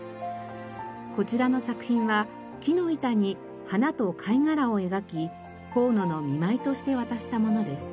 こちらの作品は木の板に花と貝殻を描き河野の見舞いとして渡したものです。